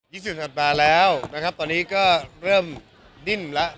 ยี่สุทธิ์อันดับมาแล้วนะครับตอนนี้ก็เริ่มดิ้นแล้ว